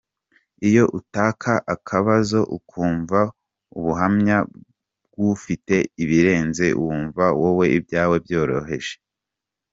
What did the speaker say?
Iyo utaka akabazo ukumva ubuhamya bw’ufite ibirenze wumva wowe ibyawe byoroheje.